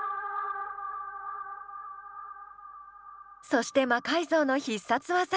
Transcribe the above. そして魔改造の必殺技。